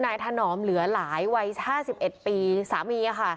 ถนอมเหลือหลายวัย๕๑ปีสามีค่ะ